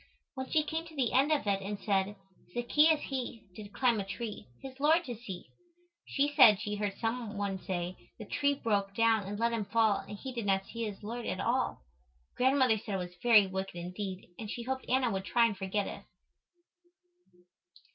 When she came to the end of it and said, "Zaccheus he, did climb a tree, his Lord to see." she said she heard some one say, "The tree broke down and let him fall and he did not see his Lord at all." Grandmother said it was very wicked indeed and she hoped Anna would try and forget it.